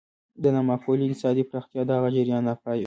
د نامعقولې اقتصادي پراختیا دغه جریان ناپایه و.